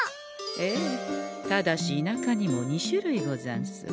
ええただし田舎にも２種類ござんす。